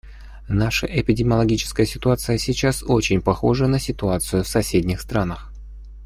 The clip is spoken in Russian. Наша эпидемиологическая ситуация сейчас очень похожа на ситуацию в соседних странах.